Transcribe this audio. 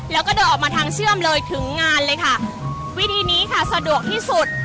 แล้วก็เดินออกมาทางเชื่อมเลยถึงงานเลยค่ะวิธีนี้ค่ะสะดวกที่สุด